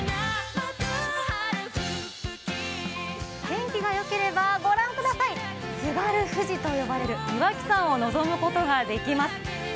天気が良ければ御覧ください、津軽富士と呼ばれる岩木山を望むことができます。